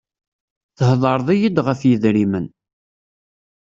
Thedreḍ-iy-d ɣef yidrimen.